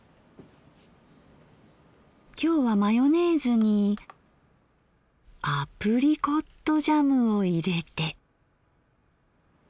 今日はマヨネーズにアプリコットジャムを入れて。